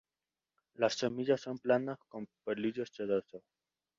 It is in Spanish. Las semillas son planas con pelillos sedosos.